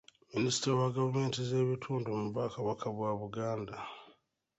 Minisita wa gavumenti ez'ebitundu mu Bwakabaka bwa Buganda